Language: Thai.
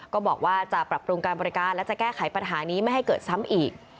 ก็บอกว่าจะปรับปรุงการบริการและจะแก้ไขปัญหานี้ไม่ให้เกิดซ้ำอีก